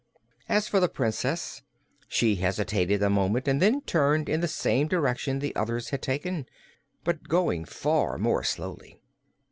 As for the Princess, she hesitated a moment and then turned in the same direction the others had taken, but going far more slowly.